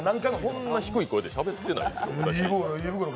そんな低い声でしゃべってないですよ。